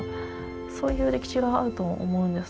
そういう歴史があると思うんですね。